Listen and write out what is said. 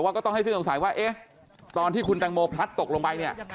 โดยว่าต้องให้ซื้อสงสัยว่าตอนที่คุณตังโมพลัดตกลงไป